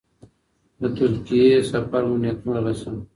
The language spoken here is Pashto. د ترکیې سفر مو نیکمرغه شه.